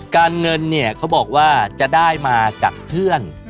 การเงินเนี่ยเขาบอกว่าจะได้มาจากเพื่อน